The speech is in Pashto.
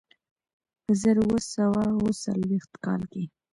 په زر اووه سوه اوه څلوېښت کال کې.